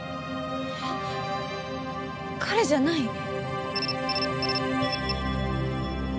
えっ彼じゃない？